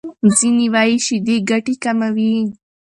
ځینې وايي شیدې ګټې کموي.